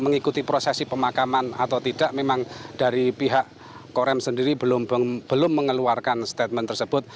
mengikuti prosesi pemakaman atau tidak memang dari pihak korem sendiri belum mengeluarkan statement tersebut